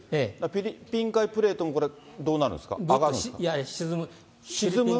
フィリピン海プレートもこれ、どうなるんですか？